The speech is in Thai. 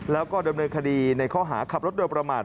แล้วก็ดำเนินคดีในข้อหาขับรถโดยประมาท